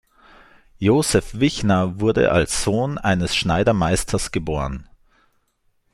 Josef Wichner wurde als Sohn eines Schneidermeisters geboren.